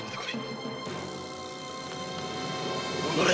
おのれ！